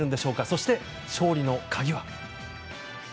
そして、勝利の鍵は？